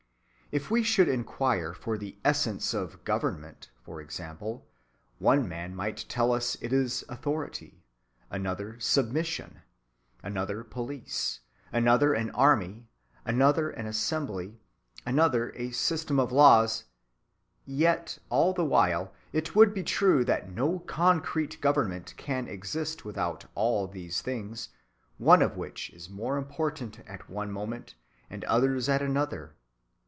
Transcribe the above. If we should inquire for the essence of "government," for example, one man might tell us it was authority, another submission, another police, another an army, another an assembly, another a system of laws; yet all the while it would be true that no concrete government can exist without all these things, one of which is more important at one moment and others at another.